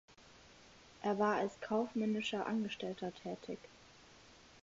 Er war als kaufmännischer Angestellter tätig.